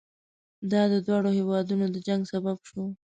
دا د دواړو هېوادونو د جنګ سبب شو.